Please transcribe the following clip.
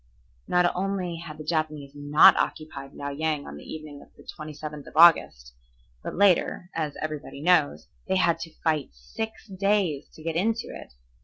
Not only had the Japanese not occupied Liao Yang on the evening of the 27th of August, but later, as everybody knows, they had to fight six days to get into it.